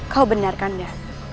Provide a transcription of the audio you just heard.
kau benarkan dia